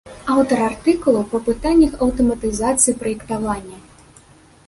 Аўтар артыкулаў па пытаннях аўтаматызацыі праектавання.